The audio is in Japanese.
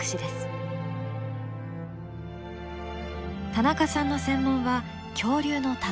田中さんの専門は恐竜の卵。